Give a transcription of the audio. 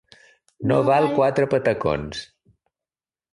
No val quatre patacons.